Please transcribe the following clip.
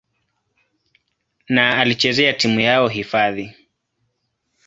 na alichezea timu yao hifadhi.